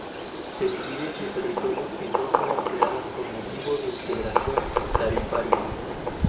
Se divide su territorio en dos zonas creadas con motivo de integración tarifaria.